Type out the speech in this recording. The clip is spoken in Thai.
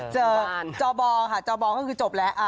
จอบอค่ะจอบอก็คือจบแล้ว